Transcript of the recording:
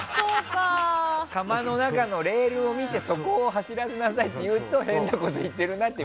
釜の中のレールを見てそこを走らせなさいって言うと変なこと言ってるなと。